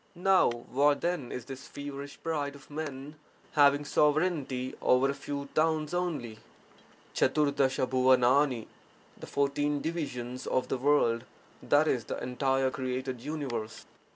For what then is this feverish pride of men having sovereignty over a few towns only? pcj^Tl ^MlPl — The fourteen divisions of the world, that is, the entire created universe.